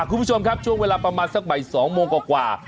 อ่ะคุณผู้ชมครับช่วงเวลาประมาณสักใหม่๒โมงก็ะกว่า